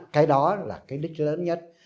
cái đó là cái đích lớn nhất